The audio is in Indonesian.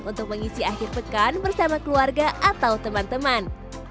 untuk mengisi akhir pekan bersama keluarga atau teman teman